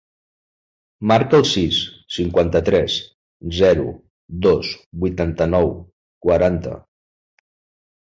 Marca el sis, cinquanta-tres, zero, dos, vuitanta-nou, quaranta.